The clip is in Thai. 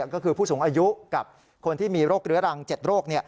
ก็คือผู้สูงอายุกับคนที่มีโรคเรื้อรัง๗โรค